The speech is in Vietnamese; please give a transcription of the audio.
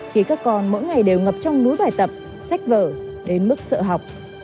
khi các con mỗi ngày đều ngập trong núi bài tập sách vở đến mức sợ học